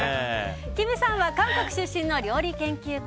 キムさんは韓国出身の料理研究家。